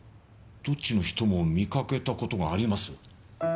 どっちの人も見かけた事があります。